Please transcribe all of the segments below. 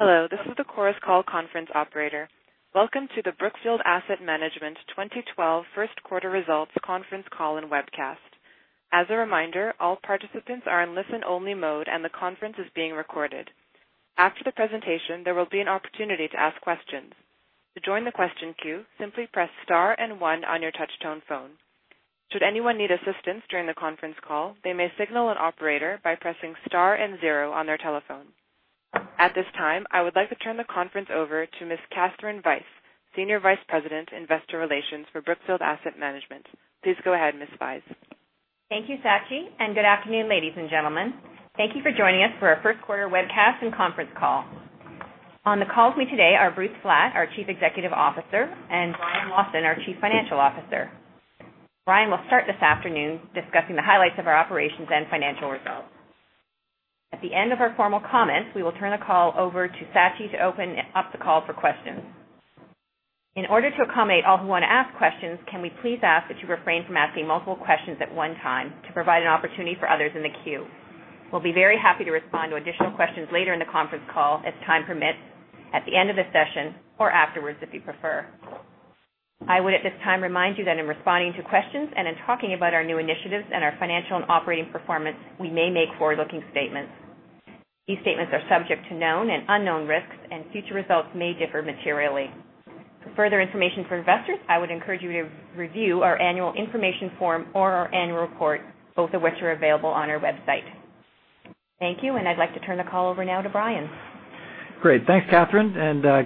Hello, this is the Chorus Call conference operator. Welcome to the Brookfield Asset Management 2012 first quarter results conference call and webcast. As a reminder, all participants are in listen-only mode, and the conference is being recorded. After the presentation, there will be an opportunity to ask questions. To join the question queue, simply press star and one on your touchtone phone. Should anyone need assistance during the conference call, they may signal an operator by pressing star and zero on their telephone. At this time, I would like to turn the conference over to Ms. Katherine Vyse, Senior Vice President, Investor Relations for Brookfield Asset Management. Please go ahead, Ms. Vyse. Thank you, Sachi. Good afternoon, ladies and gentlemen. Thank you for joining us for our first quarter webcast and conference call. On the call with me today are Bruce Flatt, our Chief Executive Officer, and Brian Lawson, our Chief Financial Officer. Brian will start this afternoon discussing the highlights of our operations and financial results. At the end of our formal comments, we will turn the call over to Sachi to open up the call for questions. To accommodate all who want to ask questions, can we please ask that you refrain from asking multiple questions at one time to provide an opportunity for others in the queue. We'll be very happy to respond to additional questions later in the conference call as time permits, at the end of the session, or afterwards if you prefer. I would, at this time, remind you that in responding to questions, in talking about our new initiatives and our financial and operating performance, we may make forward-looking statements. These statements are subject to known and unknown risks. Future results may differ materially. For further information for investors, I would encourage you to review our annual information form or our annual report, both of which are available on our website. Thank you. I'd like to turn the call over now to Brian. Great. Thanks, Katherine.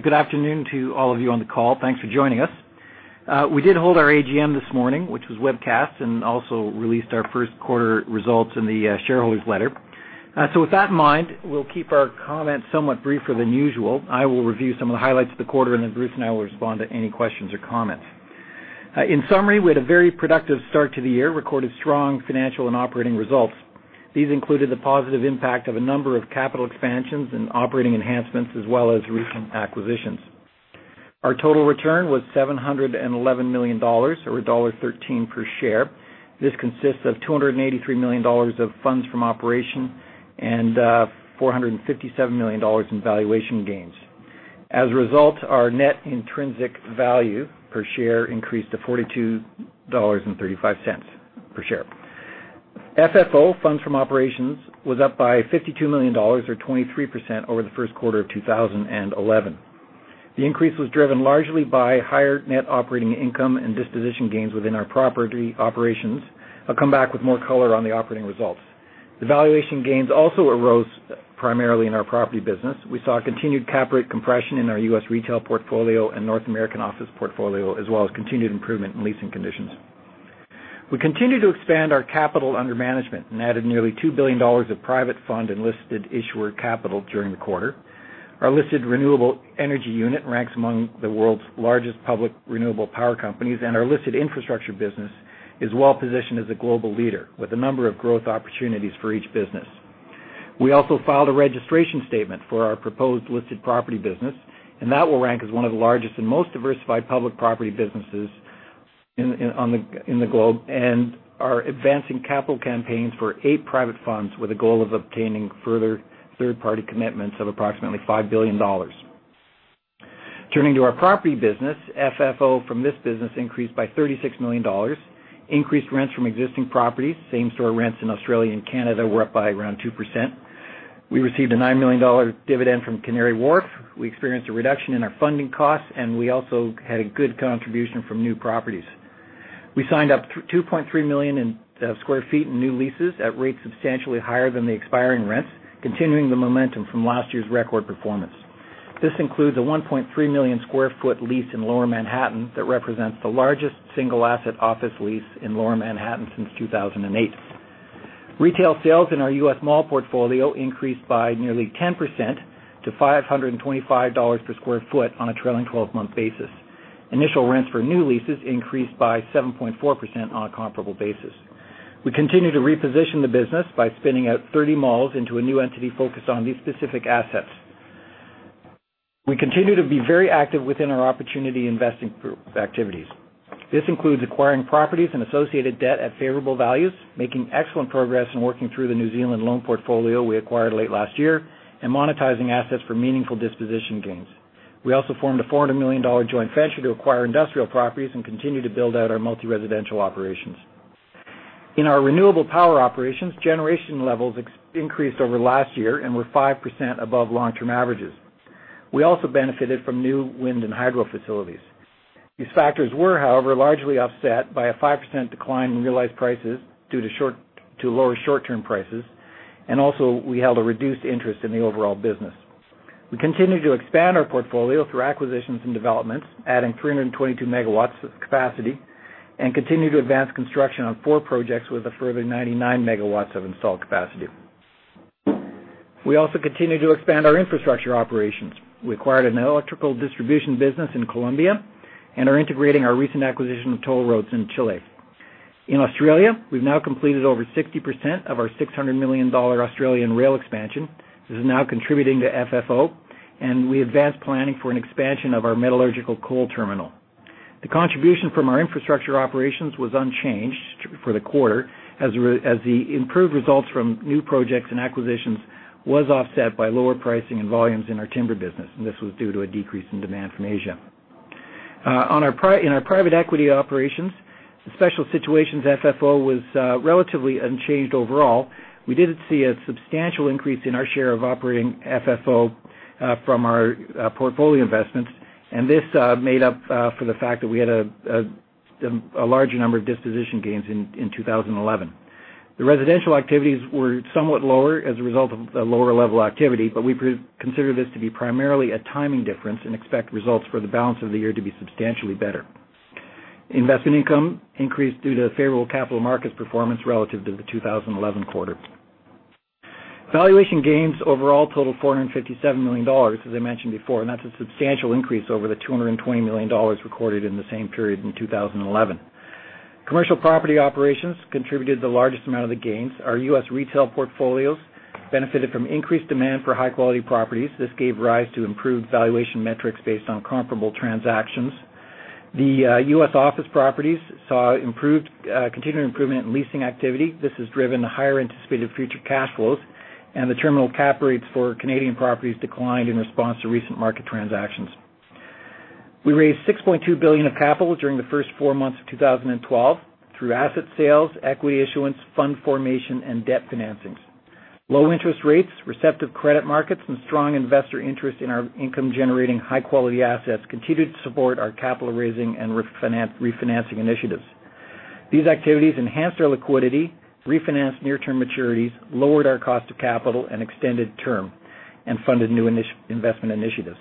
Good afternoon to all of you on the call. Thanks for joining us. We did hold our AGM this morning, which was webcast, also released our first quarter results in the shareholders letter. With that in mind, we'll keep our comments somewhat briefer than usual. I will review some of the highlights of the quarter. Then Bruce and I will respond to any questions or comments. In summary, we had a very productive start to the year, recorded strong financial and operating results. These included the positive impact of a number of capital expansions and operating enhancements, as well as recent acquisitions. Our total return was $711 million, or $1.13 per share. This consists of $283 million of funds from operation and $457 million in valuation gains. As a result, our net intrinsic value per share increased to $42.35 per share. FFO, funds from operations, was up by $52 million, or 23% over the first quarter of 2011. The increase was driven largely by higher net operating income and disposition gains within our property operations. I'll come back with more color on the operating results. The valuation gains also arose primarily in our property business. We saw continued cap rate compression in our U.S. retail portfolio and North American office portfolio, as well as continued improvement in leasing conditions. We continued to expand our capital under management and added nearly $2 billion of private fund and listed issuer capital during the quarter. Our listed renewable energy unit ranks among the world's largest public renewable power companies, and our listed infrastructure business is well positioned as a global leader with a number of growth opportunities for each business. We also filed a registration statement for our proposed listed property business, that will rank as one of the largest and most diversified public property businesses in the globe and are advancing capital campaigns for eight private funds with a goal of obtaining further third-party commitments of approximately $5 billion. Turning to our property business, FFO from this business increased by $36 million. Increased rents from existing properties. Same store rents in Australia and Canada were up by around 2%. We received a $9 million dividend from Canary Wharf. We experienced a reduction in our funding costs, and we also had a good contribution from new properties. We signed up 2.3 million sq ft in new leases at rates substantially higher than the expiring rents, continuing the momentum from last year's record performance. This includes a 1.3 million sq ft lease in Lower Manhattan that represents the largest single asset office lease in Lower Manhattan since 2008. Retail sales in our U.S. mall portfolio increased by nearly 10% to $525 per sq ft on a trailing 12-month basis. Initial rents for new leases increased by 7.4% on a comparable basis. We continue to reposition the business by spinning out 30 malls into a new entity focused on these specific assets. We continue to be very active within our opportunity investing group activities. This includes acquiring properties and associated debt at favorable values, making excellent progress in working through the New Zealand loan portfolio we acquired late last year, and monetizing assets for meaningful disposition gains. We also formed a $400 million joint venture to acquire industrial properties and continue to build out our multi-residential operations. In our renewable power operations, generation levels increased over last year and were 5% above long-term averages. We also benefited from new wind and hydro facilities. These factors were, however, largely offset by a 5% decline in realized prices due to lower short-term prices, and also we held a reduced interest in the overall business. We continue to expand our portfolio through acquisitions and developments, adding 322 MW of capacity, continue to advance construction on four projects with a further 99 MW of installed capacity. We also continue to expand our infrastructure operations. We acquired an electrical distribution business in Colombia and are integrating our recent acquisition of toll roads in Chile. In Australia, we've now completed over 60% of our 600 million Australian dollars Australian rail expansion. This is now contributing to FFO. We advanced planning for an expansion of our metallurgical coal terminal. The contribution from our infrastructure operations was unchanged for the quarter, as the improved results from new projects and acquisitions was offset by lower pricing and volumes in our timber business. This was due to a decrease in demand from Asia. In our private equity operations, the special situations FFO was relatively unchanged overall. We did see a substantial increase in our share of operating FFO from our portfolio investments. This made up for the fact that we had a larger number of disposition gains in 2011. The residential activities were somewhat lower as a result of the lower level activity. We consider this to be primarily a timing difference and expect results for the balance of the year to be substantially better. Investment income increased due to favorable capital markets performance relative to the 2011 quarter. Valuation gains overall totaled $457 million, as I mentioned before. That's a substantial increase over the $220 million recorded in the same period in 2011. Commercial property operations contributed the largest amount of the gains. Our U.S. retail portfolios benefited from increased demand for high-quality properties. This gave rise to improved valuation metrics based on comparable transactions. The U.S. office properties saw continued improvement in leasing activity. This has driven the higher anticipated future cash flows. The terminal cap rates for Canadian properties declined in response to recent market transactions. We raised $6.2 billion of capital during the first four months of 2012 through asset sales, equity issuance, fund formation, and debt financings. Low interest rates, receptive credit markets, strong investor interest in our income-generating high-quality assets continued to support our capital raising and refinancing initiatives. These activities enhanced our liquidity, refinanced near-term maturities, lowered our cost of capital and extended term, funded new investment initiatives.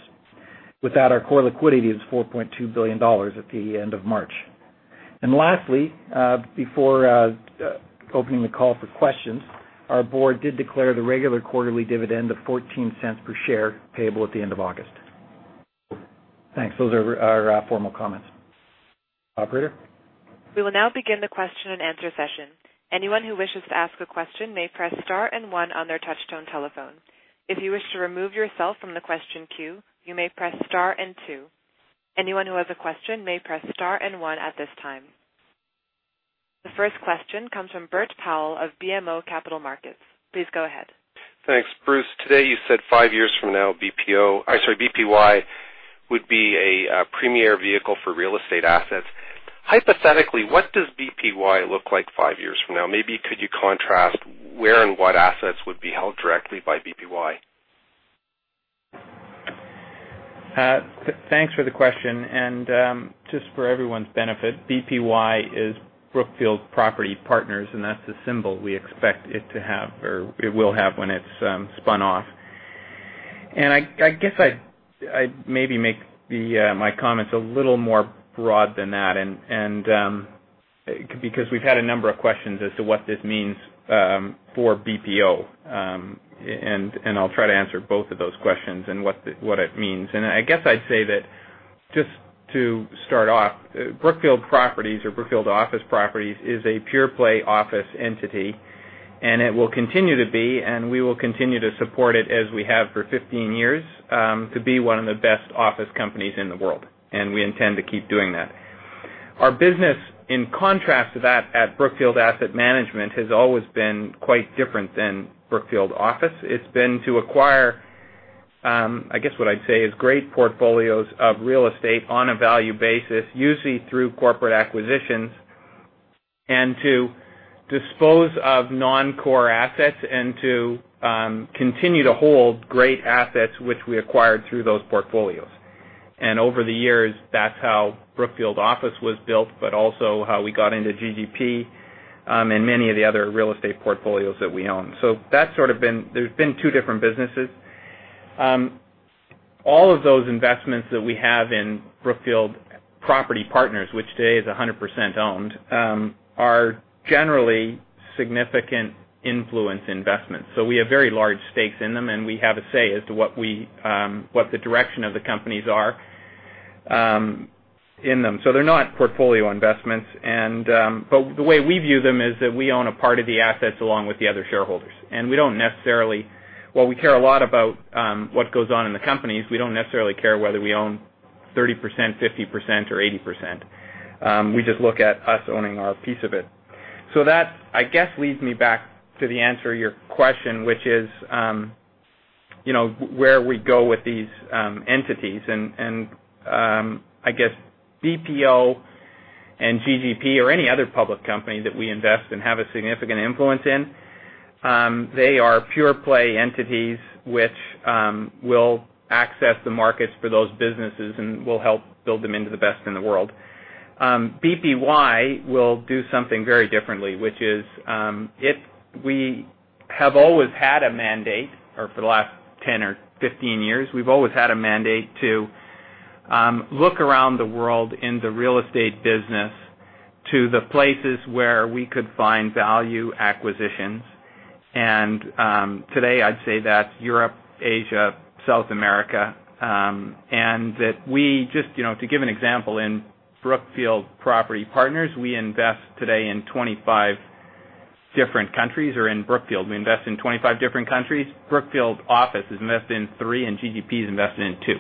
With that, our core liquidity is $4.2 billion at the end of March. Lastly, before opening the call for questions, our board did declare the regular quarterly dividend of $0.14 per share payable at the end of August. Thanks. Those are our formal comments. Operator? We will now begin the question and answer session. Anyone who wishes to ask a question may press star and one on their touch-tone telephone. If you wish to remove yourself from the question queue, you may press star and two. Anyone who has a question may press star and one at this time. The first question comes from Bert Powell of BMO Capital Markets. Please go ahead. Thanks. Bruce, today you said five years from now, BPY would be a premier vehicle for real estate assets. Hypothetically, what does BPY look like five years from now? Maybe could you contrast where and what assets would be held directly by BPY? Thanks for the question. Just for everyone's benefit, BPY is Brookfield Property Partners, and that's the symbol we expect it to have, or it will have when it's spun off. I guess I'd maybe make my comments a little more broad than that, because we've had a number of questions as to what this means for BPO. I'll try to answer both of those questions and what it means. I guess I'd say that, just to start off, Brookfield Properties or Brookfield Office Properties is a pure play office entity, and it will continue to be, and we will continue to support it as we have for 15 years, to be one of the best office companies in the world, and we intend to keep doing that. Our business, in contrast to that at Brookfield Asset Management, has always been quite different than Brookfield Office. It's been to acquire, I guess what I'd say, is great portfolios of real estate on a value basis, usually through corporate acquisitions, and to dispose of non-core assets and to continue to hold great assets which we acquired through those portfolios. Over the years, that's how Brookfield Office was built, but also how we got into GGP, and many of the other real estate portfolios that we own. There's been two different businesses. All of those investments that we have in Brookfield Property Partners, which today is 100% owned, are generally significant influence investments. We have very large stakes in them, and we have a say as to what the direction of the companies are in them. They're not portfolio investments. The way we view them is that we own a part of the assets along with the other shareholders. While we care a lot about what goes on in the companies, we don't necessarily care whether we own 30%, 50%, or 80%. We just look at us owning our piece of it. That, I guess, leads me back to the answer your question, which is where we go with these entities. I guess BPO and GGP or any other public company that we invest in have a significant influence in. They are pure play entities which will access the markets for those businesses and will help build them into the best in the world. BPY will do something very differently. We have always had a mandate, or for the last 10 or 15 years, we've always had a mandate to look around the world in the real estate business to the places where we could find value acquisitions. Today, I'd say that's Europe, Asia, South America. To give an example, in Brookfield Property Partners, we invest today in 25 different countries are in Brookfield. We invest in 25 different countries. Brookfield Office has invested in three, and GGP has invested in two.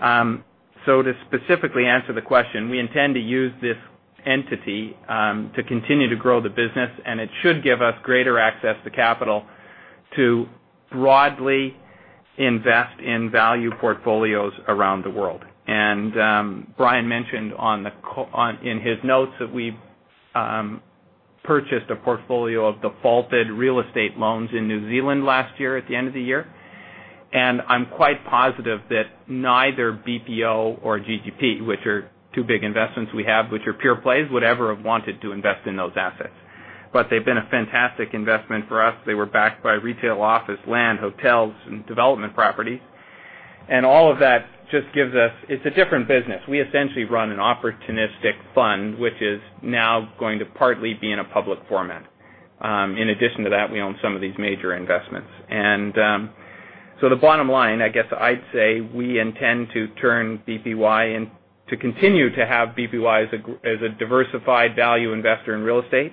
To specifically answer the question, we intend to use this entity to continue to grow the business, and it should give us greater access to capital to broadly invest in value portfolios around the world. Brian mentioned in his notes that we purchased a portfolio of defaulted real estate loans in New Zealand last year at the end of the year. I'm quite positive that neither BPO or GGP, which are two big investments we have, which are pure plays, would ever have wanted to invest in those assets. They've been a fantastic investment for us. They were backed by retail office, land, hotels, and development property. All of that just gives us. It's a different business. We essentially run an opportunistic fund, which is now going to partly be in a public format. In addition to that, we own some of these major investments. The bottom line, I guess I'd say, we intend to continue to have BPY as a diversified value investor in real estate.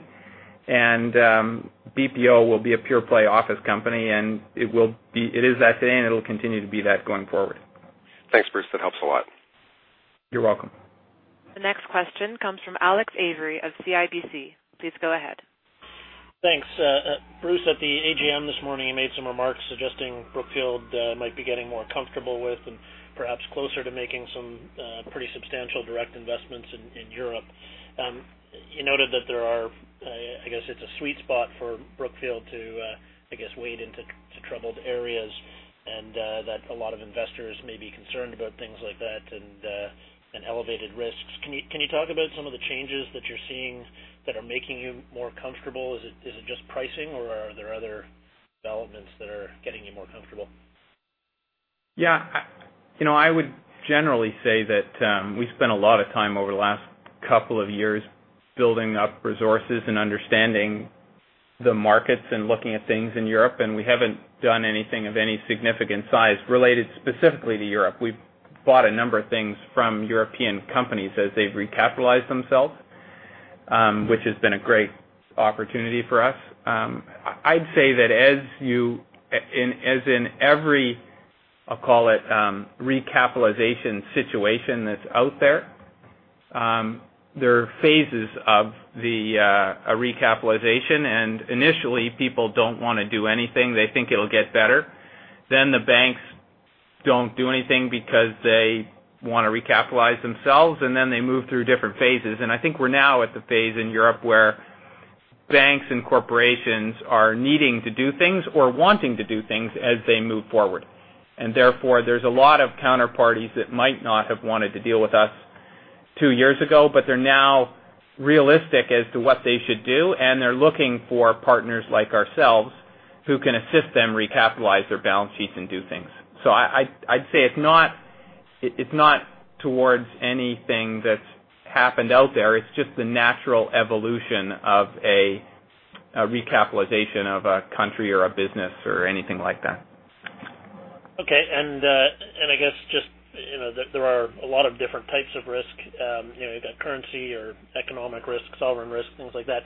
BPO will be a pure play office company, and it is that today, and it'll continue to be that going forward. Thanks, Bruce. That helps a lot. You're welcome. The next question comes from Alex Avery of CIBC. Please go ahead. Thanks. Bruce, at the AGM this morning, you made some remarks suggesting Brookfield might be getting more comfortable with, and perhaps closer to making some pretty substantial direct investments in Europe. You noted that there are, I guess it's a sweet spot for Brookfield to, I guess, wade into troubled areas, and that a lot of investors may be concerned about things like that and elevated risks. Can you talk about some of the changes that you're seeing that are making you more comfortable? Is it just pricing or are there other developments that are getting you more comfortable? Yeah. I would generally say that we've spent a lot of time over the last couple of years building up resources and understanding the markets and looking at things in Europe, and we haven't done anything of any significant size related specifically to Europe. We've bought a number of things from European companies as they've recapitalized themselves, which has been a great opportunity for us. I'd say that as in every, I'll call it, recapitalization situation that's out there are phases of a recapitalization, and initially, people don't want to do anything. They think it'll get better. The banks don't do anything because they want to recapitalize themselves, and then they move through different phases. I think we're now at the phase in Europe where banks and corporations are needing to do things or wanting to do things as they move forward. Therefore, there's a lot of counterparties that might not have wanted to deal with us two years ago, but they're now realistic as to what they should do, and they're looking for partners like ourselves who can assist them recapitalize their balance sheets and do things. I'd say it's not towards anything that's happened out there. It's just the natural evolution of a recapitalization of a country or a business or anything like that. Okay. I guess just that there are a lot of different types of risk. You've got currency or economic risk, sovereign risk, things like that.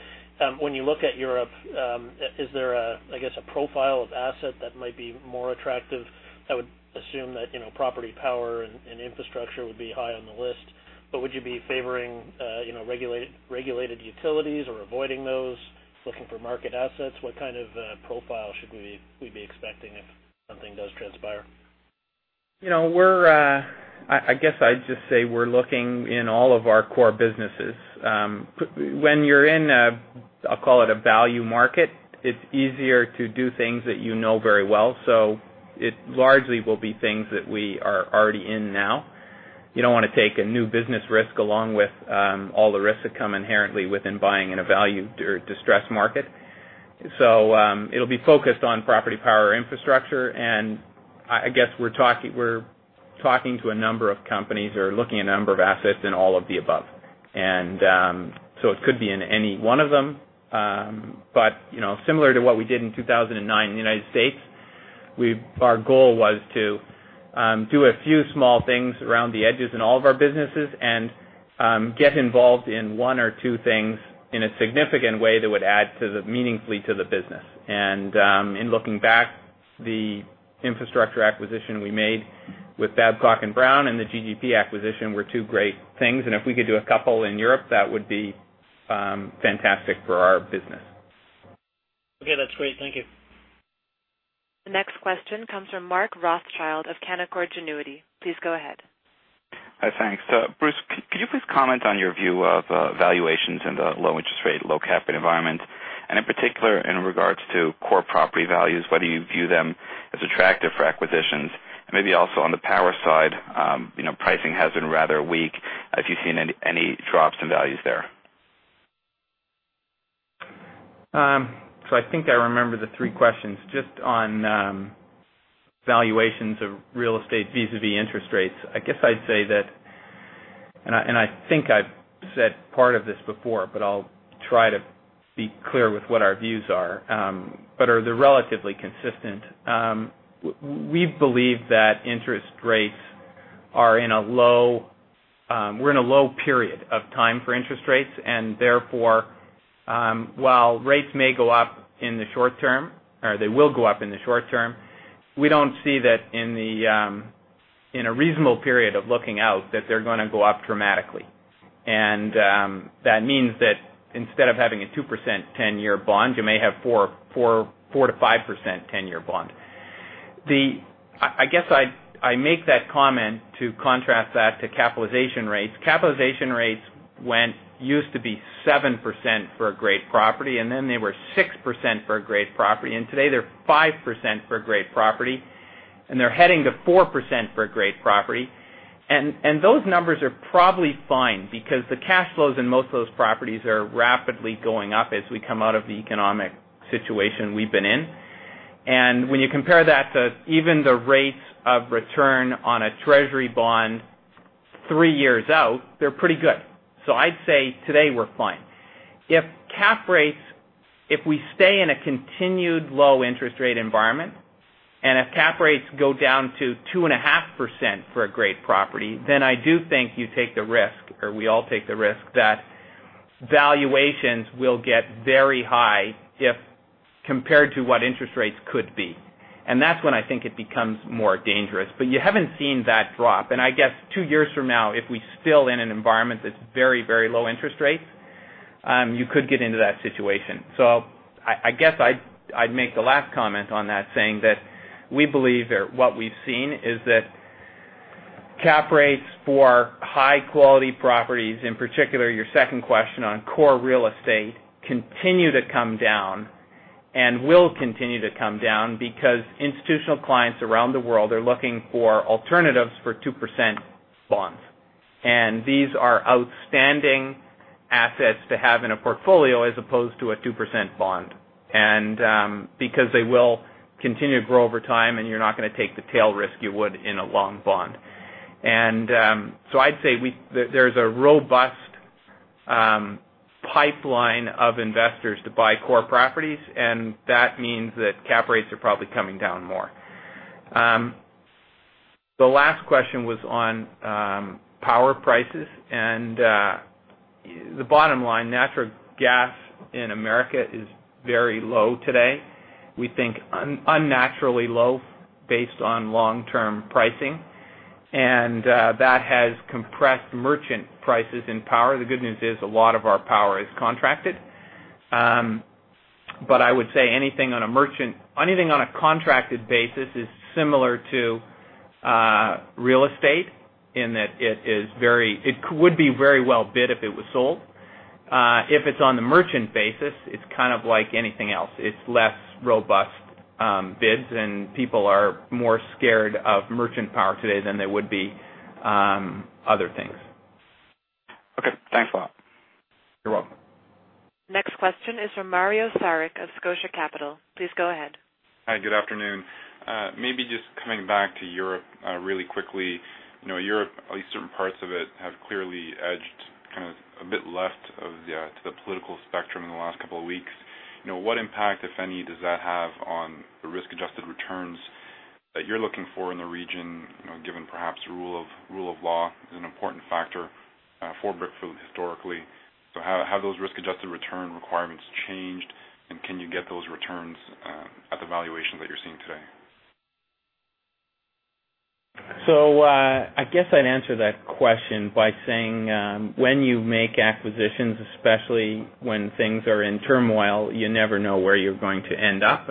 When you look at Europe, is there a profile of asset that might be more attractive? I would assume that property power and infrastructure would be high on the list. Would you be favoring regulated utilities or avoiding those, looking for market assets? What kind of profile should we be expecting if something does transpire? I guess I'd just say we're looking in all of our core businesses. When you're in a, I'll call it a value market, it's easier to do things that you know very well. It largely will be things that we are already in now. You don't want to take a new business risk along with all the risks that come inherently within buying in a value or distressed market. It'll be focused on property power infrastructure, and I guess we're talking to a number of companies or looking at a number of assets in all of the above. It could be in any one of them. Similar to what we did in 2009 in the United States, our goal was to do a few small things around the edges in all of our businesses and get involved in one or two things in a significant way that would add meaningfully to the business. In looking back, the infrastructure acquisition we made with Babcock & Brown and the GGP acquisition were two great things. If we could do a couple in Europe, that would be fantastic for our business. Okay. That's great. Thank you. The next question comes from Mark Rothschild of Canaccord Genuity. Please go ahead. Hi. Thanks. Bruce, could you please comment on your view of valuations in the low interest rate, low cap environment, and in particular, in regards to core property values, whether you view them as attractive for acquisitions? Maybe also on the power side, pricing has been rather weak. Have you seen any drops in values there? I think I remember the three questions. Just on valuations of real estate vis-à-vis interest rates. I guess I'd say that, and I think I've said part of this before, but I'll try to be clear with what our views are. They're relatively consistent. We believe that We're in a low period of time for interest rates, and therefore, while rates may go up in the short term, or they will go up in the short term, we don't see that in a reasonable period of looking out, that they're going to go up dramatically. That means that instead of having a 2% 10-year bond, you may have 4%-5% 10-year bond. I guess I make that comment to contrast that to capitalization rates. Capitalization rates used to be 7% for a great property, then they were 6% for a great property, and today they're 5% for a great property, and they're heading to 4% for a great property. Those numbers are probably fine because the cash flows in most of those properties are rapidly going up as we come out of the economic situation we've been in. When you compare that to even the rates of return on a treasury bond three years out, they're pretty good. I'd say today we're fine. If cap rates, if we stay in a continued low interest rate environment, and if cap rates go down to 2.5% for a great property, then I do think you take the risk, or we all take the risk that valuations will get very high if compared to what interest rates could be. That's when I think it becomes more dangerous. You haven't seen that drop, and I guess two years from now, if we're still in an environment that's very low interest rates, you could get into that situation. I guess I'd make the last comment on that saying that we believe that what we've seen is that cap rates for high-quality properties, in particular your second question on core real estate, continue to come down and will continue to come down because institutional clients around the world are looking for alternatives for 2% bonds. These are outstanding assets to have in a portfolio as opposed to a 2% bond, and because they will continue to grow over time, and you're not going to take the tail risk you would in a long bond. I'd say there's a robust pipeline of investors to buy core properties, and that means that cap rates are probably coming down more. The last question was on power prices, and the bottom line, natural gas in America is very low today. We think unnaturally low based on long-term pricing. That has compressed merchant prices in power. The good news is a lot of our power is contracted. I would say anything on a contracted basis is similar to real estate in that it would be very well bid if it was sold. If it's on the merchant basis, it's kind of like anything else. It's less robust bids, and people are more scared of merchant power today than they would be other things. Okay. Thanks a lot. You're welcome. Next question is from Mario Saric of Scotia Capital. Please go ahead. Hi, good afternoon. Maybe just coming back to Europe really quickly. Europe, at least certain parts of it, have clearly edged kind of a bit left to the political spectrum in the last couple of weeks. What impact, if any, does that have on the risk-adjusted returns that you're looking for in the region, given perhaps rule of law is an important factor for Brookfield historically. How have those risk-adjusted return requirements changed, and can you get those returns at the valuation that you're seeing today? I guess I'd answer that question by saying, when you make acquisitions, especially when things are in turmoil, you never know where you're going to end up.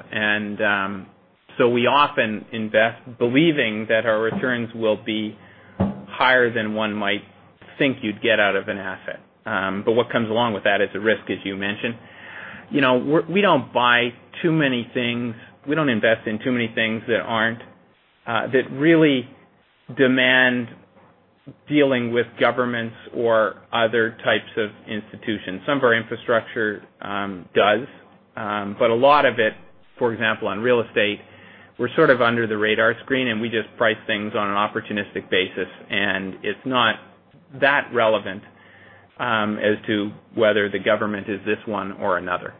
We often invest believing that our returns will be higher than one might think you'd get out of an asset. What comes along with that is the risk, as you mentioned. We don't buy too many things. We don't invest in too many things that really demand dealing with governments or other types of institutions. Some of our infrastructure does. A lot of it, for example, on real estate, we're sort of under the radar screen, and we just price things on an opportunistic basis. It's not that relevant as to whether the government is this one or another.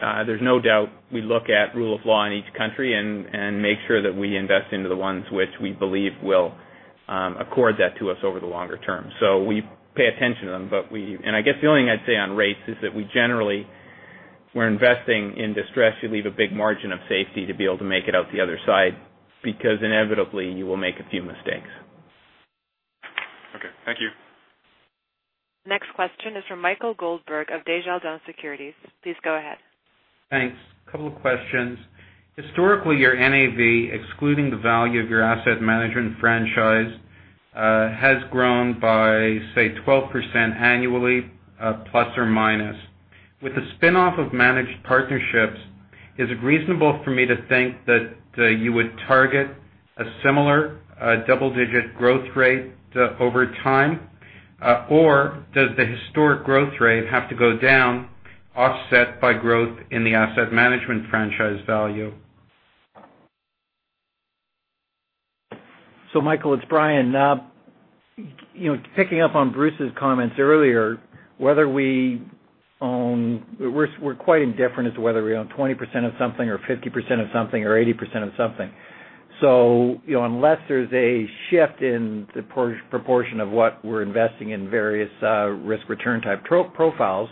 There's no doubt we look at rule of law in each country and make sure that we invest into the ones which we believe will accord that to us over the longer term. We pay attention to them. I guess the only thing I'd say on rates is that we're investing in distress. You leave a big margin of safety to be able to make it out the other side because inevitably you will make a few mistakes. Okay. Thank you. Next question is from Michael Goldberg of Desjardins Securities. Please go ahead. Thanks. Couple of questions. Historically, your NAV, excluding the value of your asset management franchise, has grown by, say, 12% annually, plus or minus. With the spin-off of managed partnerships, is it reasonable for me to think that you would target a similar double-digit growth rate over time? Does the historic growth rate have to go down offset by growth in the asset management franchise value? Michael, it's Brian. Picking up on Bruce's comments earlier, we're quite indifferent as to whether we own 20% of something or 50% of something or 80% of something. Unless there's a shift in the proportion of what we're investing in various risk-return type profiles,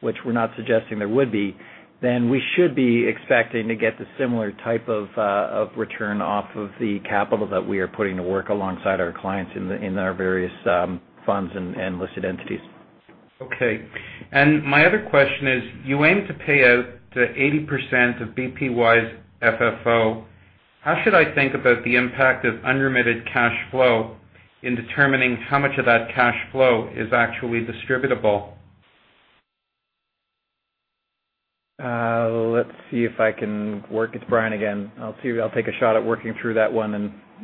which we're not suggesting there would be, then we should be expecting to get the similar type of return off of the capital that we are putting to work alongside our clients in our various funds and listed entities. Okay. My other question is, you aim to pay out to 80% of BPY's FFO. How should I think about the impact of unremitted cash flow in determining how much of that cash flow is actually distributable? It's Brian again. I'll take a shot at working through that one,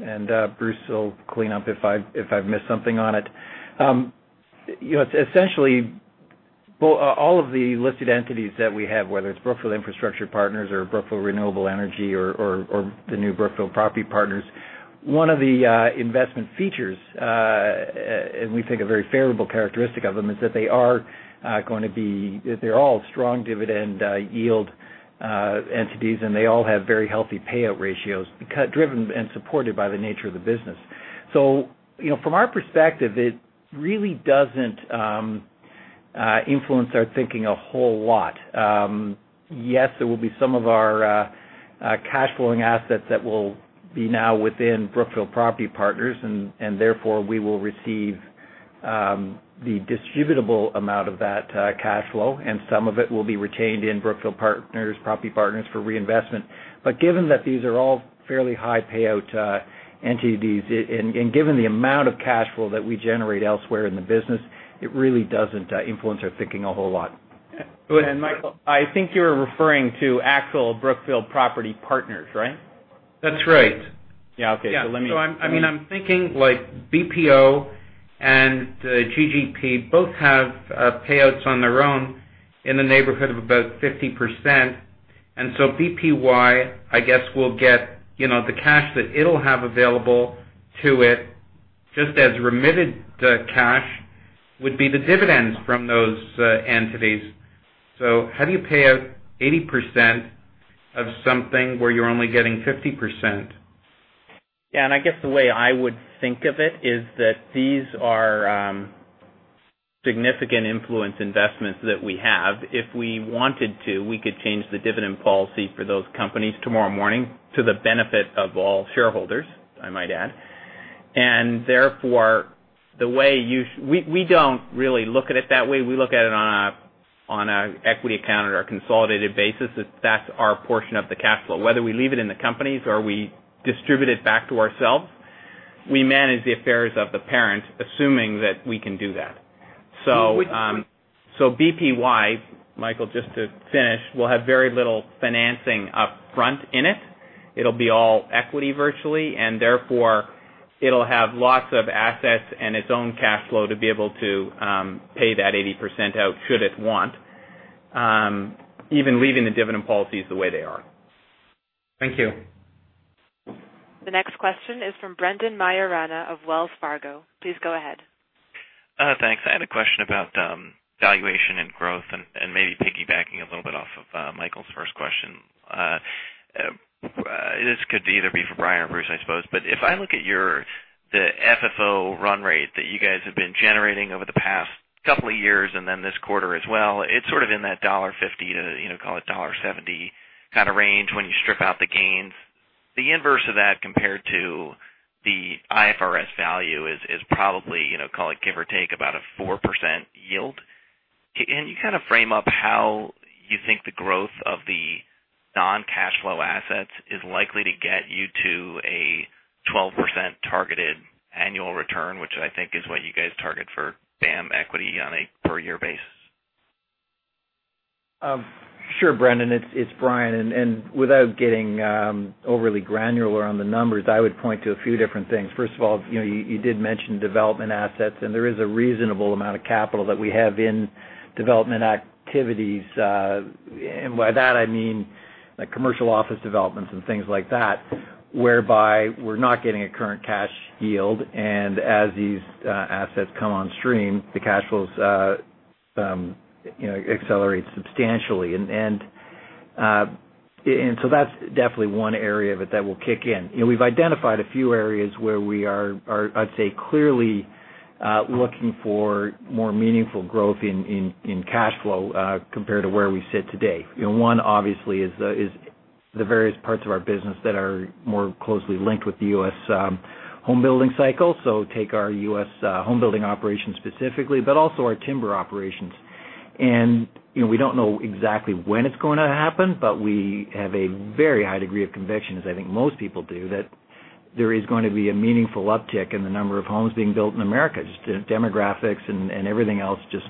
and Bruce will clean up if I've missed something on it. Essentially, all of the listed entities that we have, whether it's Brookfield Infrastructure Partners or Brookfield Renewable Energy or the new Brookfield Property Partners, one of the investment features, and we think a very favorable characteristic of them, is that they're all strong dividend yield entities, and they all have very healthy payout ratios, driven and supported by the nature of the business. From our perspective, it really doesn't influence our thinking a whole lot. Yes, there will be some of our cash flowing assets that will be now within Brookfield Property Partners, and therefore, we will receive the distributable amount of that cash flow, and some of it will be retained in Brookfield Property Partners for reinvestment. Given that these are all fairly high payout entities and given the amount of cash flow that we generate elsewhere in the business, it really doesn't influence our thinking a whole lot. Michael, I think you're referring to actual Brookfield Property Partners, right? That's right. Yeah. Okay. I'm thinking like BPO and GGP both have payouts on their own in the neighborhood of about 50%. BPY, I guess, will get the cash that it'll have available to it, just as remitted cash would be the dividends from those entities. How do you pay out 80% of something where you're only getting 50%? Yeah, I guess the way I would think of it is that these are significant influence investments that we have. If we wanted to, we could change the dividend policy for those companies tomorrow morning to the benefit of all shareholders, I might add. Therefore, we don't really look at it that way. We look at it on an equity account or a consolidated basis. That's our portion of the capital. Whether we leave it in the companies or we distribute it back to ourselves, we manage the affairs of the parent, assuming that we can do that. BPY, Michael, just to finish, will have very little financing up front in it. It'll be all equity, virtually, it'll have lots of assets and its own cash flow to be able to pay that 80% out should it want, even leaving the dividend policies the way they are. Thank you. The next question is from Brendan Maiorana of Wells Fargo. Please go ahead. Thanks. I had a question about valuation and growth and maybe piggybacking a little bit off of Michael's first question. This could either be for Brian or Bruce, I suppose. If I look at the FFO run rate that you guys have been generating over the past couple of years and then this quarter as well, it's sort of in that $1.50-$1.70 kind of range when you strip out the gains. The inverse of that compared to the IFRS value is probably, give or take, about a 4% yield. Can you kind of frame up how you think the growth of the non-cash flow assets is likely to get you to a 12% targeted annual return, which I think is what you guys target for BAM equity on a per year basis? Sure, Brendan. It's Brian. Without getting overly granular on the numbers, I would point to a few different things. First of all, you did mention development assets, and there is a reasonable amount of capital that we have in development activities. By that I mean commercial office developments and things like that, whereby we're not getting a current cash yield. As these assets come on stream, the cash flows accelerate substantially. That's definitely one area of it that will kick in. We've identified a few areas where we are, I'd say, clearly looking for more meaningful growth in cash flow compared to where we sit today. One obviously is the various parts of our business that are more closely linked with the U.S. home building cycle. Take our U.S. home building operations specifically, also our timber operations. We don't know exactly when it's going to happen, we have a very high degree of conviction, as I think most people do, that there is going to be a meaningful uptick in the number of homes being built in America. Just demographics and everything else just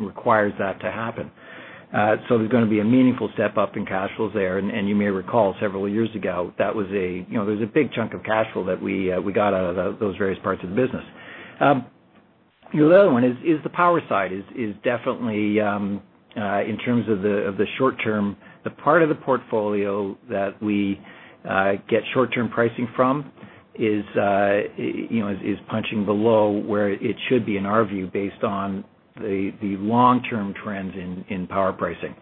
requires that to happen. There's going to be a meaningful step-up in cash flows there. You may recall several years ago, there's a big chunk of cash flow that we got out of those various parts of the business. The other one is the power side is definitely, in terms of the short term, the part of the portfolio that we get short-term pricing from is punching below where it should be in our view based on the long-term trends in power pricing.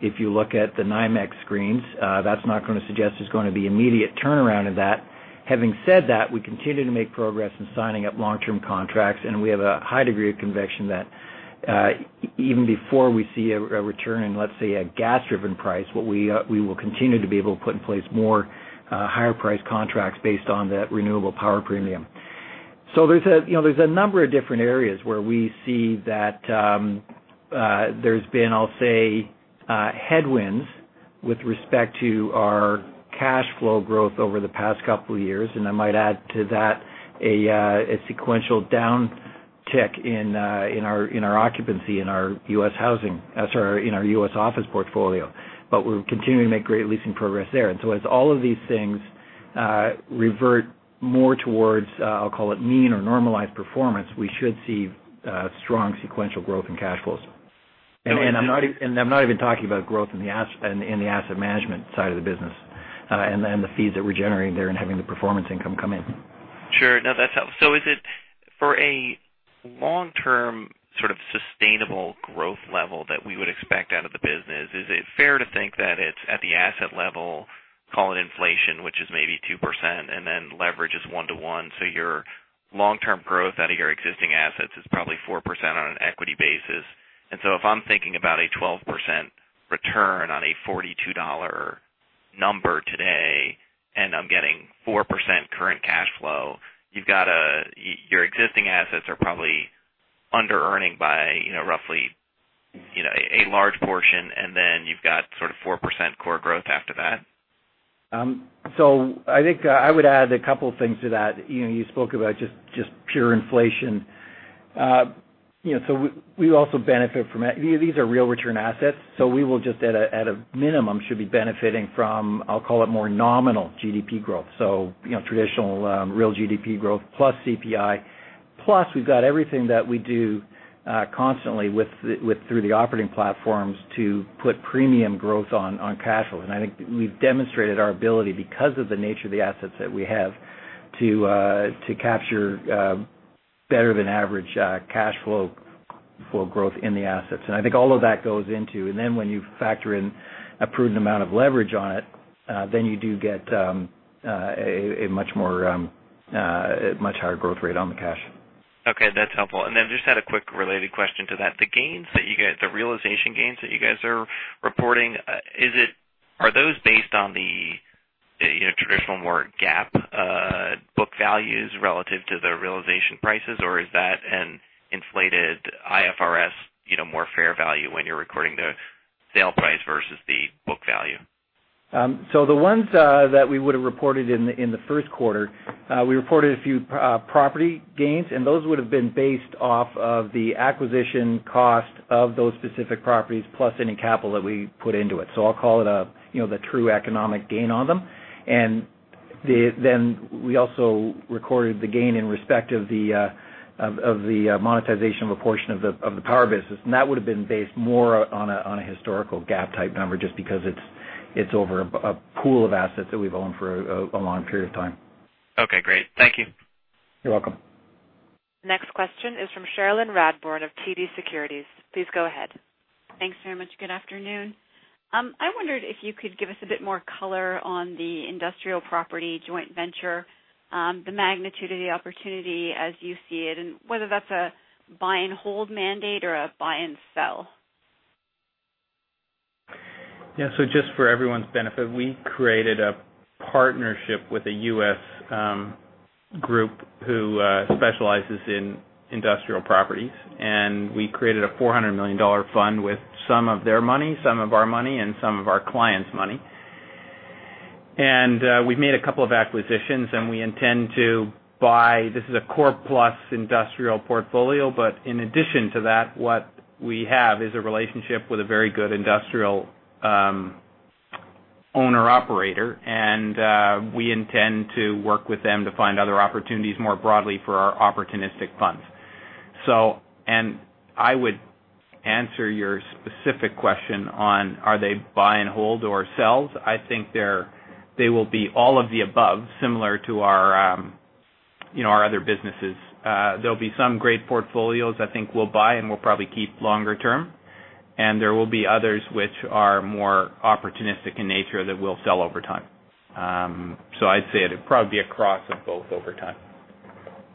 If you look at the NYMEX screens, that's not going to suggest there's going to be immediate turnaround in that. Having said that, we continue to make progress in signing up long-term contracts, and we have a high degree of conviction that even before we see a return in, let's say, a gas-driven price, we will continue to be able to put in place more higher-priced contracts based on that renewable power premium. There's a number of different areas where we see that there's been, I'll say, headwinds with respect to our cash flow growth over the past couple of years. I might add to that a sequential down tick in our occupancy in our U.S. office portfolio. We're continuing to make great leasing progress there. As all of these things revert more towards, I'll call it mean or normalized performance, we should see strong sequential growth in cash flows. I'm not even talking about growth in the asset management side of the business and the fees that we're generating there and having the performance income come in. Sure. No, that's helpful. Is it for a long-term sort of sustainable growth level that we would expect out of the business, is it fair to think that it's at the asset level, call it inflation, which is maybe 2%, and then leverage is 1:1, so your long-term growth out of your existing assets is probably 4% on an equity basis. If I'm thinking about a 12% return on a $42 number today, and I'm getting 4% current cash flow, your existing assets are probably under-earning by roughly a large portion, and then you've got sort of 4% core growth after that. I think I would add a couple of things to that. You spoke about just pure inflation. These are real return assets, so we will just at a minimum, should be benefiting from, I'll call it more nominal GDP growth. Traditional real GDP growth plus CPI, plus we've got everything that we do constantly through the operating platforms to put premium growth on cash flow. I think we've demonstrated our ability because of the nature of the assets that we have to capture better than average cash flow growth in the assets. When you factor in a prudent amount of leverage on it, then you do get a much higher growth rate on the cash. Okay, that's helpful. Just had a quick related question to that. The realization gains that you guys are reporting, are those based on the traditional more GAAP book values relative to the realization prices, or is that an inflated IFRS more fair value when you're recording the sale price versus the book value? The ones that we would have reported in the first quarter, we reported a few property gains, and those would have been based off of the acquisition cost of those specific properties plus any capital that we put into it. I'll call it the true economic gain on them. We also recorded the gain in respect of the monetization of a portion of the power business. That would have been based more on a historical GAAP type number, just because it's over a pool of assets that we've owned for a long period of time. Okay, great. Thank you. You're welcome. Next question is from Cherilyn Radbourne of TD Securities. Please go ahead. Thanks very much. Good afternoon. I wondered if you could give us a bit more color on the industrial property joint venture, the magnitude of the opportunity as you see it, and whether that's a buy and hold mandate or a buy and sell. Yeah. Just for everyone's benefit, we created a partnership with a U.S. group who specializes in industrial properties, and we created a $400 million fund with some of their money, some of our money, and some of our clients' money. We've made a couple of acquisitions. This is a core plus industrial portfolio. In addition to that, what we have is a relationship with a very good industrial owner-operator, and we intend to work with them to find other opportunities more broadly for our opportunistic funds. I would answer your specific question on are they buy and hold or sells. I think they will be all of the above, similar to our other businesses. There'll be some great portfolios I think we'll buy and we'll probably keep longer term. There will be others which are more opportunistic in nature that we'll sell over time. I'd say it'd probably be a cross of both over time.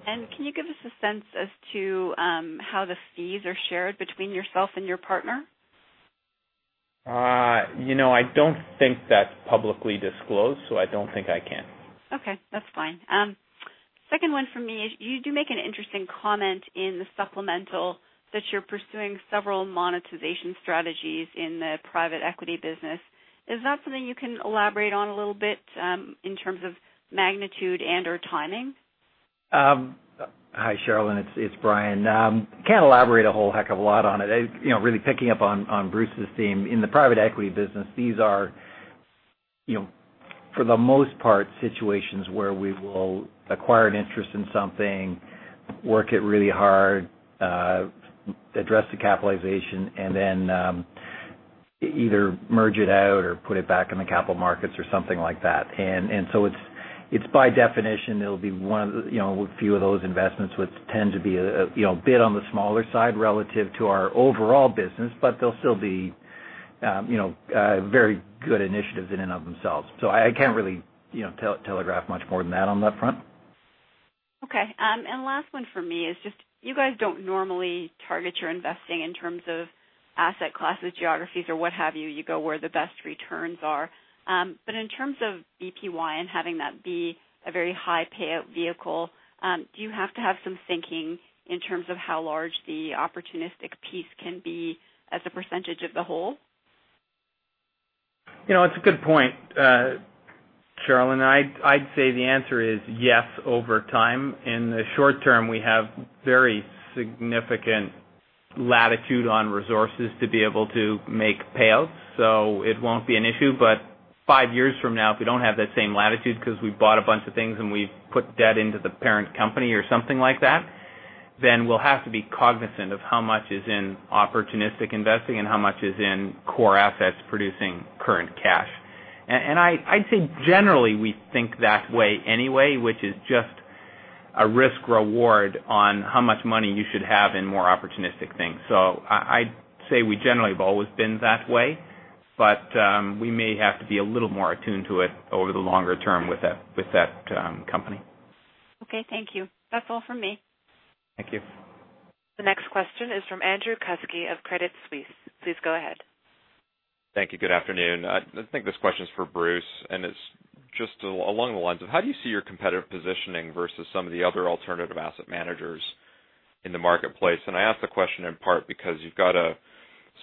Can you give us a sense as to how the fees are shared between yourself and your partner? I don't think that's publicly disclosed, so I don't think I can. Okay, that's fine. Second one for me is, you do make an interesting comment in the supplemental that you're pursuing several monetization strategies in the private equity business. Is that something you can elaborate on a little bit in terms of magnitude and/or timing? Hi, Cherilyn, it's Brian. Can't elaborate a whole heck of a lot on it. Really picking up on Bruce's theme. In the private equity business, these are For the most part, situations where we will acquire an interest in something, work it really hard, address the capitalization, and then either merge it out or put it back in the capital markets or something like that. It's by definition, there'll be a few of those investments, which tend to be a bit on the smaller side relative to our overall business, but they'll still be very good initiatives in and of themselves. I can't really telegraph much more than that on that front. Okay. Last one from me is just, you guys don't normally target your investing in terms of asset classes, geographies, or what have you. You go where the best returns are. In terms of BPY and having that be a very high payout vehicle, do you have to have some thinking in terms of how large the opportunistic piece can be as a percentage of the whole? It's a good point, Cherilyn, I'd say the answer is yes over time. In the short term, we have very significant latitude on resources to be able to make payouts. It won't be an issue. Five years from now, if we don't have that same latitude because we've bought a bunch of things and we've put debt into the parent company or something like that, we'll have to be cognizant of how much is in opportunistic investing and how much is in core assets producing current cash. I'd say generally, we think that way anyway, which is just a risk reward on how much money you should have in more opportunistic things. I'd say we generally have always been that way, but we may have to be a little more attuned to it over the longer term with that company. Okay, thank you. That's all from me. Thank you. The next question is from Andrew Kuske of Credit Suisse. Please go ahead. Thank you. Good afternoon. I think this question's for Bruce, and it's just along the lines of how do you see your competitive positioning versus some of the other alternative asset managers in the marketplace? I ask the question in part because you've got a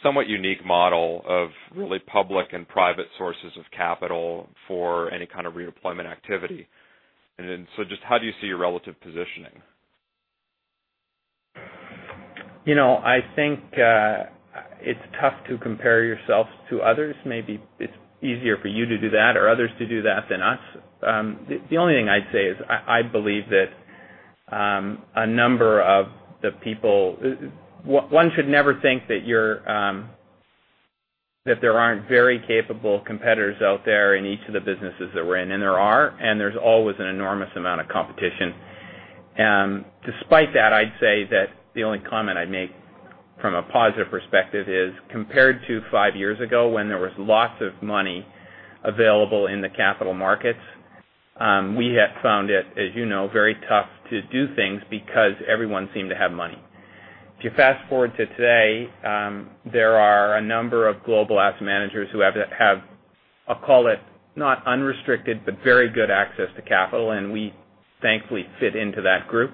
somewhat unique model of really public and private sources of capital for any kind of redeployment activity. Just how do you see your relative positioning? I think it's tough to compare yourself to others. Maybe it's easier for you to do that or others to do that than us. The only thing I'd say is I believe that one should never think that there aren't very capable competitors out there in each of the businesses that we're in, and there's always an enormous amount of competition. Despite that, I'd say that the only comment I'd make from a positive perspective is compared to five years ago, when there was lots of money available in the capital markets. We have found it, as you know, very tough to do things because everyone seemed to have money. If you fast-forward to today, there are a number of global asset managers who have, I'll call it not unrestricted, but very good access to capital, and we thankfully fit into that group.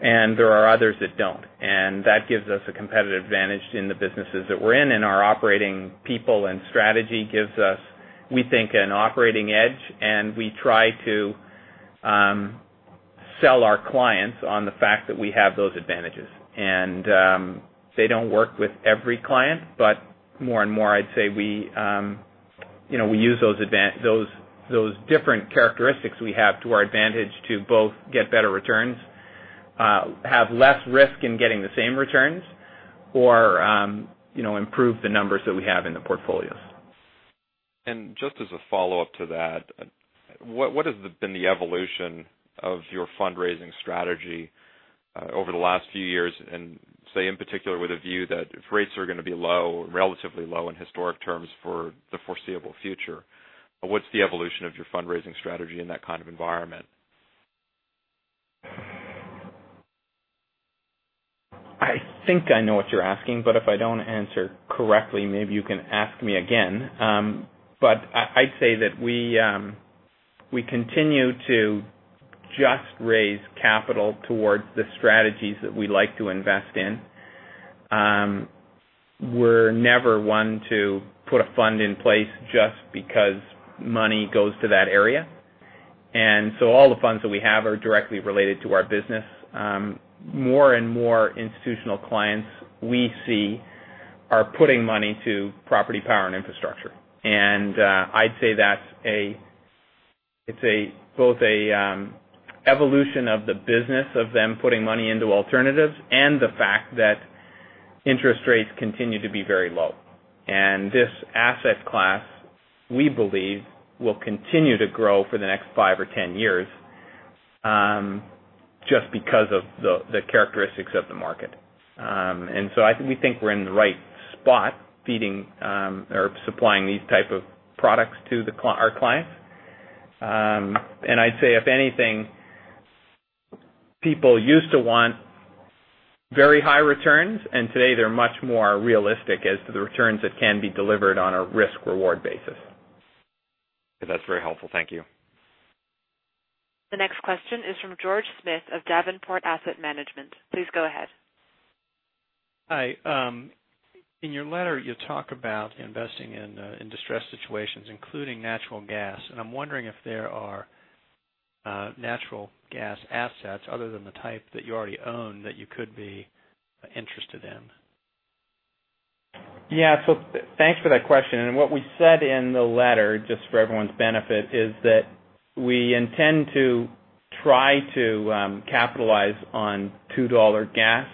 There are others that don't. That gives us a competitive advantage in the businesses that we're in. Our operating people and strategy gives us, we think, an operating edge, and we try to sell our clients on the fact that we have those advantages. They don't work with every client, but more and more, I'd say we use those different characteristics we have to our advantage to both get better returns, have less risk in getting the same returns or improve the numbers that we have in the portfolios. Just as a follow-up to that, what has been the evolution of your fundraising strategy over the last few years? Say, in particular, with a view that if rates are going to be low or relatively low in historic terms for the foreseeable future, what's the evolution of your fundraising strategy in that kind of environment? I think I know what you're asking, but if I don't answer correctly, maybe you can ask me again. I'd say that we continue to just raise capital towards the strategies that we like to invest in. We're never one to put a fund in place just because money goes to that area. All the funds that we have are directly related to our business. More and more institutional clients we see are putting money to property, power, and infrastructure. I'd say that it's both a evolution of the business of them putting money into alternatives and the fact that interest rates continue to be very low. This asset class, we believe, will continue to grow for the next five or 10 years, just because of the characteristics of the market. We think we're in the right spot feeding or supplying these type of products to our clients. I'd say, if anything, people used to want very high returns, and today they're much more realistic as to the returns that can be delivered on a risk-reward basis. That's very helpful. Thank you. The next question is from George Smith of Davenport Asset Management. Please go ahead. Hi. In your letter, you talk about investing in distressed situations, including natural gas. I'm wondering if there are natural gas assets other than the type that you already own that you could be interested in. Yeah. Thanks for that question. What we said in the letter, just for everyone's benefit, is that we intend to try to capitalize on $2 gas,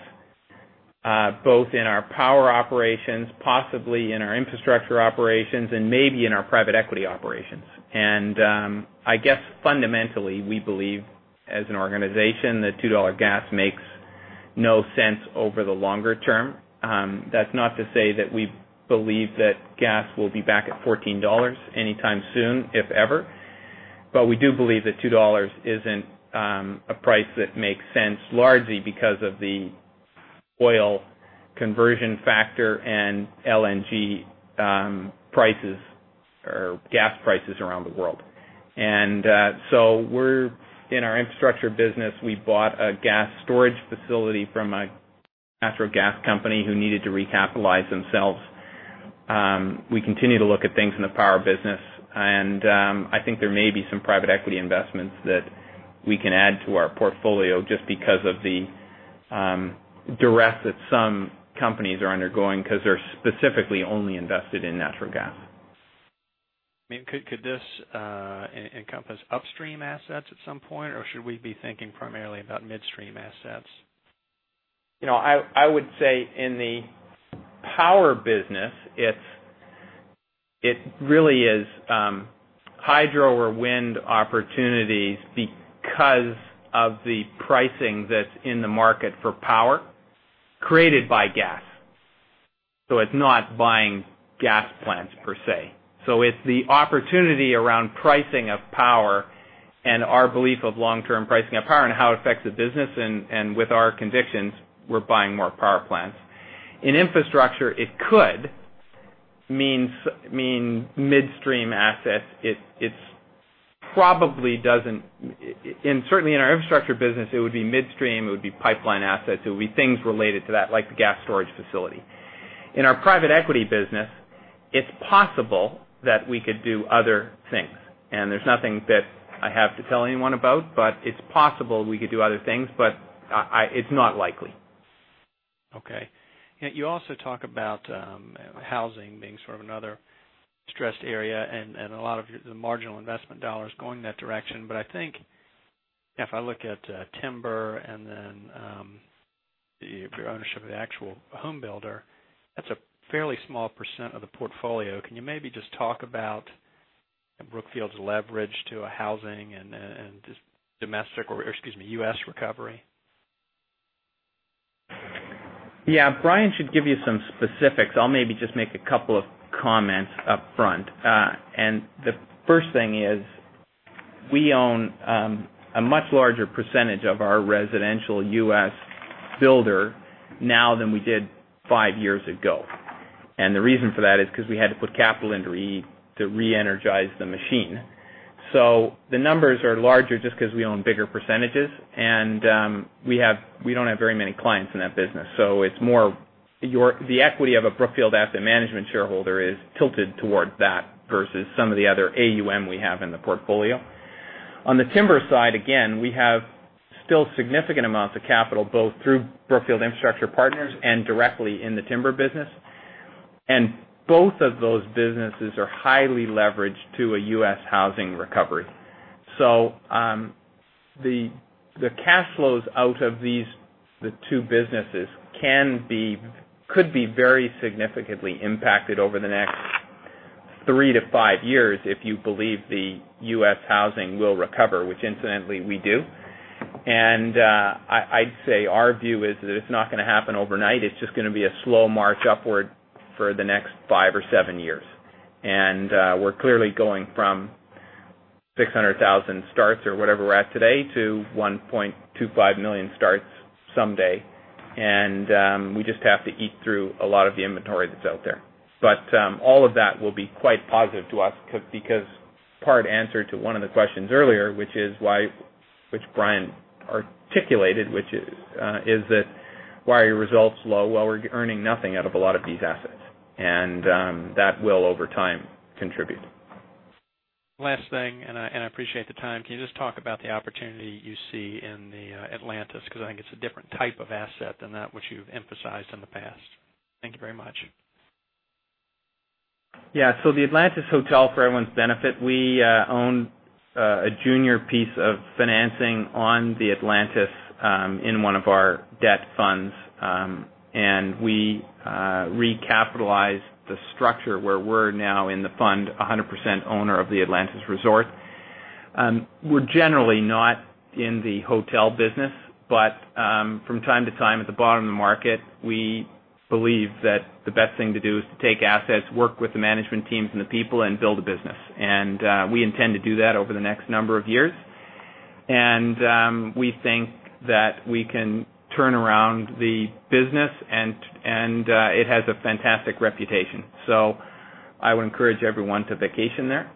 both in our power operations, possibly in our infrastructure operations, maybe in our private equity operations. I guess fundamentally, we believe as an organization that $2 gas makes no sense over the longer term. That's not to say that we believe that gas will be back at $14 anytime soon, if ever. We do believe that $2 isn't a price that makes sense, largely because of the oil conversion factor and LNG prices or gas prices around the world. So in our infrastructure business, we bought a gas storage facility from a natural gas company who needed to recapitalize themselves. We continue to look at things in the power business. I think there may be some private equity investments that we can add to our portfolio just because of the duress that some companies are undergoing because they're specifically only invested in natural gas. I mean, could this encompass upstream assets at some point? Should we be thinking primarily about midstream assets? I would say in the power business, it really is hydro or wind opportunities because of the pricing that's in the market for power created by gas. It's not buying gas plants per se. It's the opportunity around pricing of power and our belief of long-term pricing of power and how it affects the business. With our convictions, we're buying more power plants. In infrastructure, it could mean midstream assets. Certainly in our infrastructure business, it would be midstream, it would be pipeline assets. It would be things related to that, like the gas storage facility. In our private equity business, it's possible that we could do other things. There's nothing that I have to tell anyone about, but it's possible we could do other things. It's not likely. Okay. You also talk about housing being sort of another stressed area and a lot of the marginal investment dollars going in that direction. I think if I look at timber and then your ownership of the actual home builder, that's a fairly small % of the portfolio. Can you maybe just talk about Brookfield's leverage to housing and just domestic or, excuse me, U.S. recovery? Yeah. Brian should give you some specifics. I'll maybe just make a couple of comments up front. The first thing is, we own a much larger % of our residential U.S. builder now than we did five years ago. The reason for that is because we had to put capital in to re-energize the machine. The numbers are larger just because we own bigger %. We don't have very many clients in that business. It's more the equity of a Brookfield Asset Management shareholder is tilted towards that versus some of the other AUM we have in the portfolio. On the timber side, again, we have still significant amounts of capital both through Brookfield Infrastructure Partners and directly in the timber business. Both of those businesses are highly leveraged to a U.S. housing recovery. The cash flows out of the two businesses could be very significantly impacted over the next three to five years if you believe the U.S. housing will recover, which incidentally we do. I'd say our view is that it's not going to happen overnight. It's just going to be a slow march upward for the next five or seven years. We're clearly going from 600,000 starts or whatever we're at today to 1.25 million starts someday. We just have to eat through a lot of the inventory that's out there. All of that will be quite positive to us because part answer to one of the questions earlier, which Brian articulated, which is that, why are your results low? Well, we're earning nothing out of a lot of these assets. That will, over time, contribute. Last thing. I appreciate the time. Can you just talk about the opportunity you see in the Atlantis? I think it's a different type of asset than that which you've emphasized in the past. Thank you very much. The Atlantis Hotel, for everyone's benefit, we own a junior piece of financing on the Atlantis in one of our debt funds. We recapitalized the structure where we're now in the fund, 100% owner of the Atlantis Resort. We're generally not in the hotel business. From time to time, at the bottom of the market, we believe that the best thing to do is to take assets, work with the management teams and the people, and build a business. We intend to do that over the next number of years. We think that we can turn around the business and it has a fantastic reputation. I would encourage everyone to vacation there.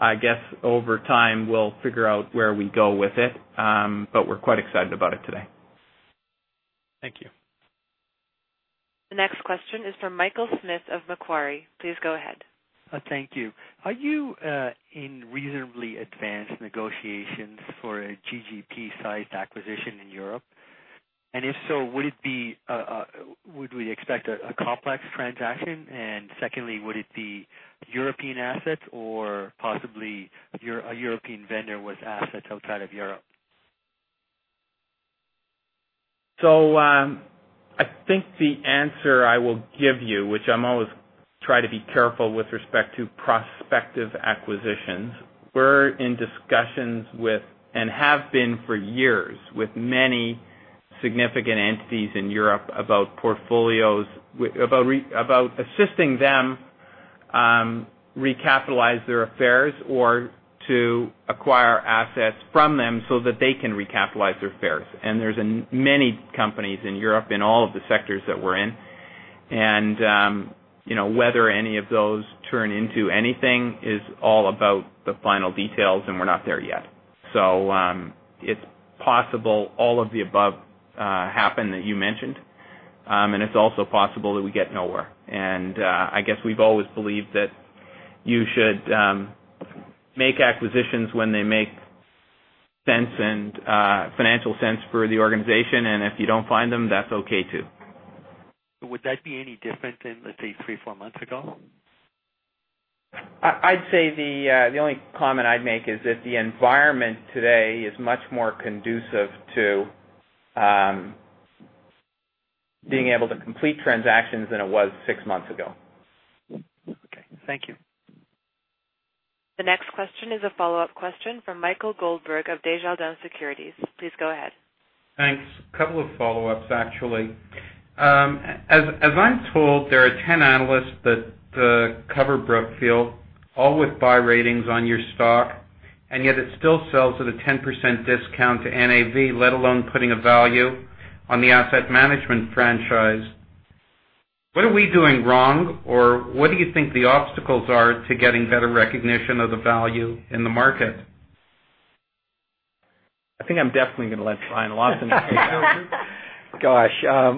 I guess over time, we'll figure out where we go with it. We're quite excited about it today. Thank you. The next question is from Michael Smith of Macquarie. Please go ahead. Thank you. Are you in reasonably advanced negotiations for a GGP-sized acquisition in Europe? If so, would we expect a complex transaction? Secondly, would it be European assets or possibly a European vendor with assets outside of Europe? I think the answer I will give you, which I always try to be careful with respect to prospective acquisitions. We're in discussions with, and have been for years, with many significant entities in Europe about portfolios, about assisting them recapitalize their affairs or to acquire assets from them so that they can recapitalize their affairs. There's many companies in Europe in all of the sectors that we're in. Whether any of those turn into anything is all about the final details, and we're not there yet. It's possible all of the above happen that you mentioned. It's also possible that we get nowhere. I guess we've always believed that you should make acquisitions when they make sense and financial sense for the organization, and if you don't find them, that's okay, too. Would that be any different than, let's say, three, four months ago? I'd say the only comment I'd make is that the environment today is much more conducive to being able to complete transactions than it was six months ago. Okay. Thank you. The next question is a follow-up question from Michael Goldberg of Desjardins Securities. Please go ahead. Thanks. Couple of follow-ups, actually. As I'm told, there are 10 analysts that cover Brookfield, all with buy ratings on your stock, yet it still sells at a 10% discount to NAV, let alone putting a value on the asset management franchise. What are we doing wrong, or what do you think the obstacles are to getting better recognition of the value in the market? I think I'm definitely going to let Brian Lawson answer that. Gosh.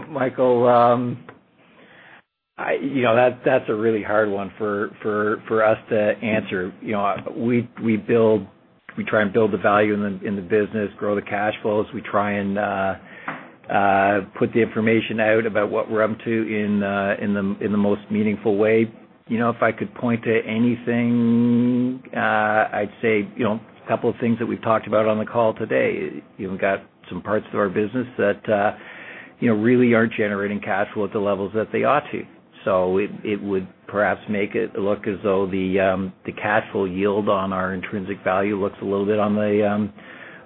Michael, that's a really hard one for us to answer. We try and build the value in the business, grow the cash flows. We try and put the information out about what we're up to in the most meaningful way. If I could point to anything, I'd say a couple of things that we've talked about on the call today. We've got some parts of our business that really aren't generating cash flow at the levels that they ought to. It would perhaps make it look as though the cash flow yield on our intrinsic value looks a little bit on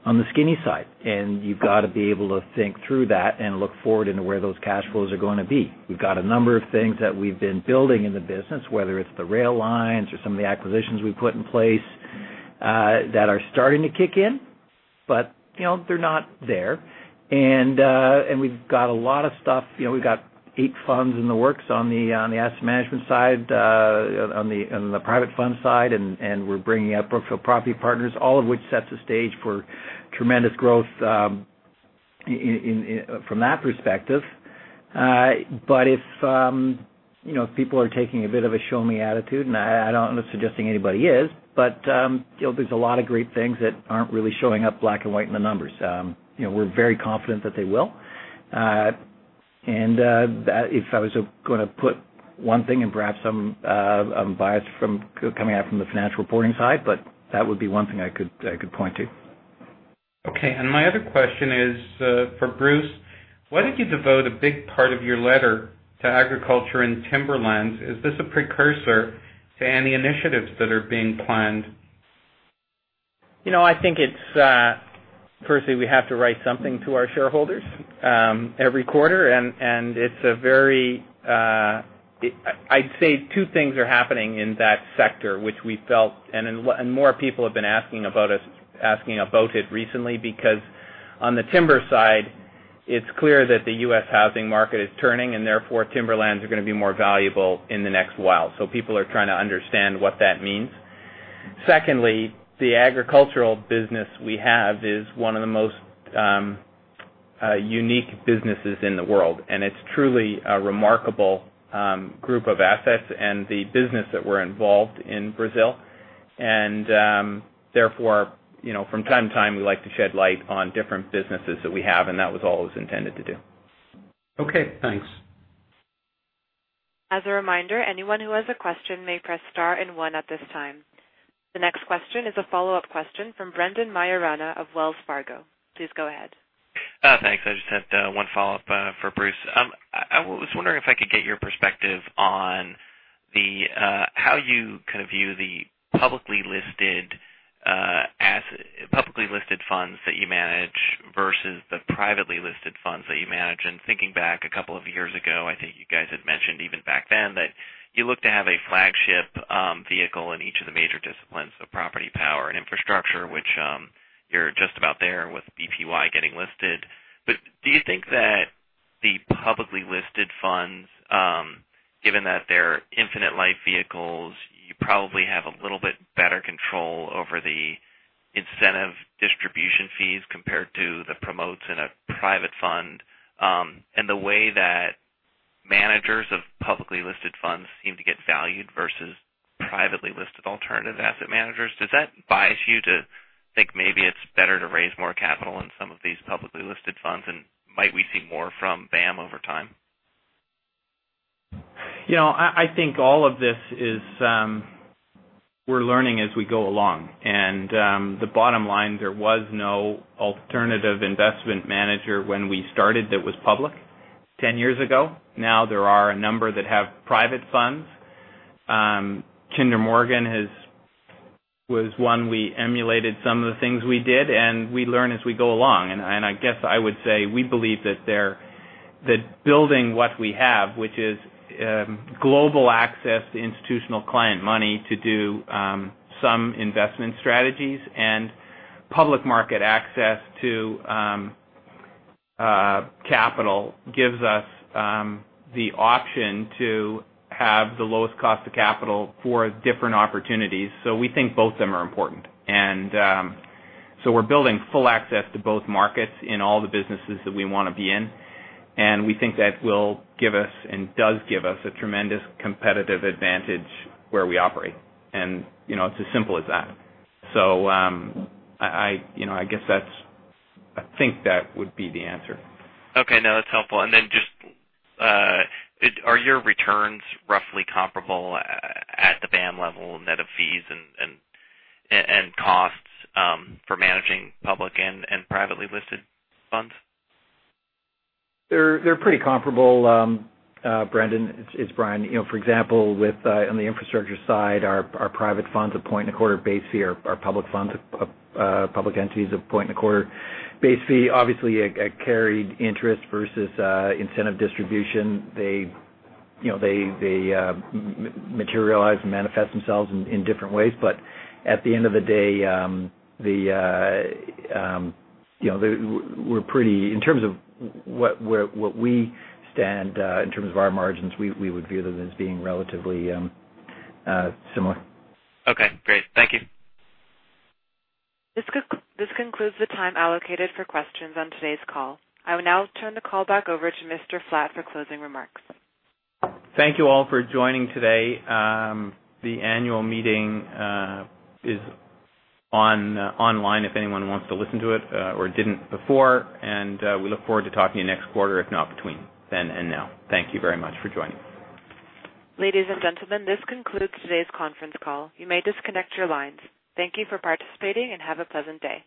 the skinny side. You've got to be able to think through that and look forward into where those cash flows are going to be. We've got a number of things that we've been building in the business, whether it's the rail lines or some of the acquisitions we've put in place that are starting to kick in. They're not there. We've got a lot of stuff. We've got eight funds in the works on the asset management side, on the private fund side, and we're bringing up Brookfield Property Partners, all of which sets the stage for tremendous growth from that perspective. If people are taking a bit of a show-me attitude, and I'm not suggesting anybody is, but there's a lot of great things that aren't really showing up black and white in the numbers. We're very confident that they will. If I was going to put one thing, and perhaps I'm biased coming out from the financial reporting side, that would be one thing I could point to. Okay. My other question is for Bruce. Why did you devote a big part of your letter to agriculture and timberlands? Is this a precursor to any initiatives that are being planned? Firstly, we have to write something to our shareholders every quarter. I'd say two things are happening in that sector, which we felt. More people have been asking about it recently because on the timber side, it's clear that the U.S. housing market is turning. Therefore, timberlands are going to be more valuable in the next while. People are trying to understand what that means. Secondly, the agricultural business we have is one of the most unique businesses in the world. It's truly a remarkable group of assets and the business that we're involved in Brazil. Therefore, from time to time, we like to shed light on different businesses that we have, and that was all it was intended to do. Okay, thanks. As a reminder, anyone who has a question may press star and one at this time. The next question is a follow-up question from Brendan Maiorana of Wells Fargo. Please go ahead. Thanks. I just had one follow-up for Bruce. I was wondering if I could get your perspective on how you kind of view the publicly listed funds that you manage versus the privately listed funds that you manage. Thinking back a couple of years ago, I think you guys had mentioned even back then that you look to have a flagship vehicle in each of the major disciplines of property, power, and infrastructure, which you're just about there with BPY getting listed. Do you think that the publicly listed funds, given that they're infinite life vehicles, you probably have control over the incentive distribution fees compared to the promotes in a private fund, and the way that managers of publicly listed funds seem to get valued versus privately listed alternative asset managers. Does that bias you to think maybe it's better to raise more capital in some of these publicly listed funds, and might we see more from BAM over time? I think all of this is we're learning as we go along. The bottom line, there was no alternative investment manager when we started that was public 10 years ago. Now there are a number that have private funds. Kinder Morgan was one. We emulated some of the things we did, we learn as we go along. I guess I would say, we believe that building what we have, which is global access to institutional client money to do some investment strategies and public market access to capital, gives us the option to have the lowest cost of capital for different opportunities. We think both of them are important. We're building full access to both markets in all the businesses that we want to be in, and we think that will give us and does give us a tremendous competitive advantage where we operate. It's as simple as that. I think that would be the answer. Okay. No, that's helpful. Then just, are your returns roughly comparable at the BAM level net of fees and costs for managing public and privately listed funds? They're pretty comparable, Brendan. It's Brian. For example, on the infrastructure side, our private funds, a point and a quarter base fee, our public entities, a point and a quarter base fee. Obviously, a carried interest versus incentive distribution. They materialize and manifest themselves in different ways. At the end of the day, in terms of what we stand in terms of our margins, we would view them as being relatively similar. Okay, great. Thank you. This concludes the time allocated for questions on today's call. I will now turn the call back over to Mr. Flatt for closing remarks. Thank you all for joining today. The annual meeting is online if anyone wants to listen to it or didn't before. We look forward to talking to you next quarter, if not between then and now. Thank you very much for joining. Ladies and gentlemen, this concludes today's conference call. You may disconnect your lines. Thank you for participating, and have a pleasant day.